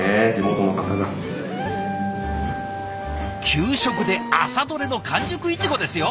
給食で朝どれの完熟いちごですよ！